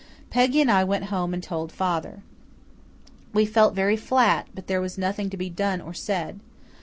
Peggy and I went home and told father. We felt very flat, but there was nothing to be done or said.